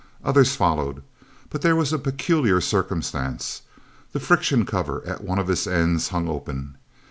Others followed. But there was a peculiar circumstance. The friction cover at one of its ends hung open.